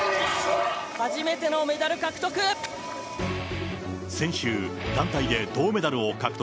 初めてのメダル獲得。